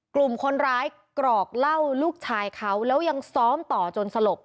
กลุ่มคนร้ายกรอกเหล้าลูกชายเขาแล้วยังซ้อมต่อจนสลบ